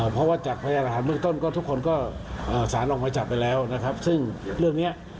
เพราะจากพยานฐานมือต้นทุกคนสารต่อไปแล้วซึ่งเรื่องนี้